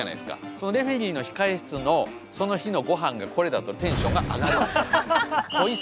そのレフェリーの控え室のその日のごはんがこれだと本当ですか！？